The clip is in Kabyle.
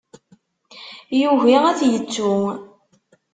Yugi ad t-yettu.